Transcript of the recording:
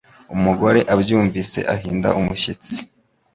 Umugore abyumvise ahinda umushyitsi.